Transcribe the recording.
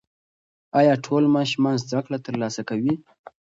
ایا ټول ماشومان زده کړه ترلاسه کوي؟